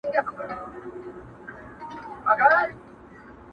د واه ، واه يې باندي جوړ كړل بارانونه٫